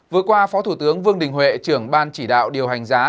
vừa qua phó thủ tướng vương đình huệ trưởng ban chỉ đạo điều hành giá